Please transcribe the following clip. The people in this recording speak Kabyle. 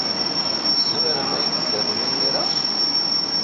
Tzemrem ad iyi-t-id-terrem imir-a?